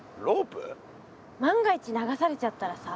万が一流されちゃったらさ。